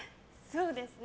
そうですね。